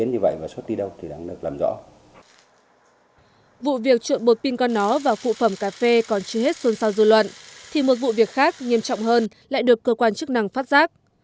vụ việc trộn bột pin con nó vào phụ phẩm cà phê còn chưa hết xuân sao du luận thì một vụ việc khác nghiêm trọng hơn lại được cơ quan chức năng phát giáp